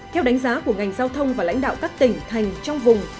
theo đánh giá của ngành giao thông và lãnh đạo các tỉnh thành trong vùng